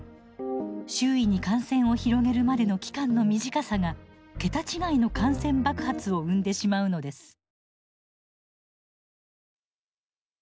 周囲に感染を広げるまでの期間の短さが桁違いの感染爆発を生んでしまうのです。